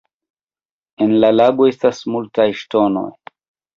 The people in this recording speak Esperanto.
En la lago estas multaj ŝtonoj.